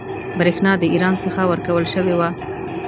برېښنا د ایران څخه ورکول شوې وه.